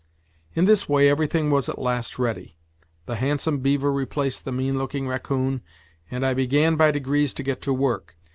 In this way everything was at last ready. The handsome beaver replaced the mean looking raccoon, and I began by degrees to get to work.